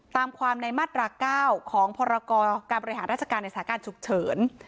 ตามความในมาตรา๙ของพรกรการบริหารราชการในสถานการณ์ฉุกเฉิน